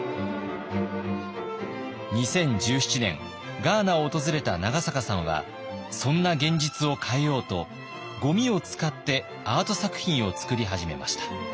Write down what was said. ２０１７年ガーナを訪れた長坂さんはそんな現実を変えようとごみを使ってアート作品を作り始めました。